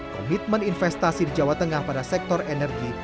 komitmen investasi di jawa tengah pada sektor energi